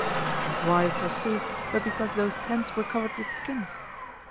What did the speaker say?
And why, forsooth, but because those tents were covered with skins?